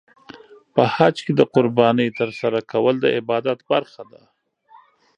په حج کې د قربانۍ ترسره کول د عبادت برخه ده.